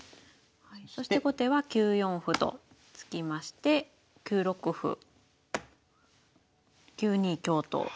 そして後手は９四歩と突きまして９六歩９二香と。